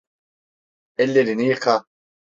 Ellerini yıka.